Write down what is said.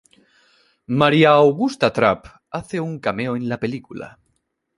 Maria Augusta Trapp hace un cameo en la película.